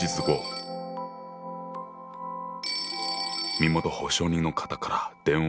☎身元保証人の方から電話だ。